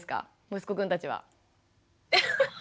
息子くんたちは。